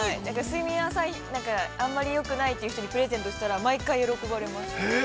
◆睡眠浅い、なんかあんまりよくないという人にプレゼントしたら毎回、喜ばれます。